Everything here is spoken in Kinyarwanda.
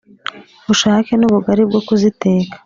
ushake n'ubugali bwo kuziteka